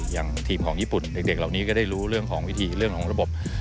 อย่างทีมของญี่ปุ่นเด็กเหล่านี้ก็ได้รู้เรื่องของวิธีเรื่องของระบบ